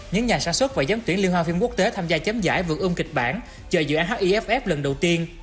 những nhà sản xuất và giám tuyển liên hoa phim quốc tế tham gia chấm giải vượt ung kịch bản chơi dự án hiff lần đầu tiên